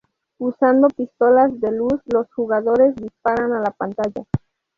Usando pistolas de luz, los jugadores disparan a la pantalla.